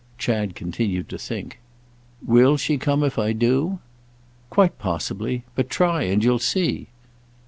Chad continued to think. "Will she come if I do?" "Quite possibly. But try, and you'll see."